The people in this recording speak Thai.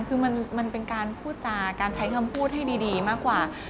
คือมันเป็นการพูดจาการใช้คำพูดให้ดีมากกว่า